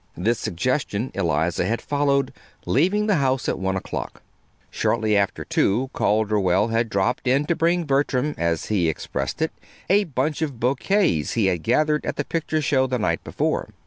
This suggestion Eliza had followed, leaving the house at one o'clock. Shortly after two Calderwell had dropped in to bring Bertram, as he expressed it, a bunch of bouquets he had gathered at the picture show the night before.